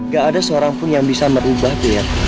gak ada seorang pun yang bisa merubah pilihan